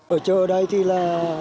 ở chỗ ở đây thì là